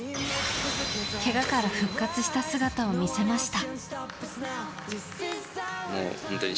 けがから復活した姿を見せました。